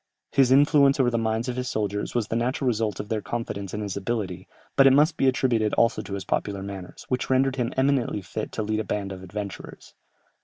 His influence over the minds of his soldiers was the natural result of their confidence in his ability, but it must be attributed also to his popular manners, which rendered him eminently fit to lead a band of adventurers.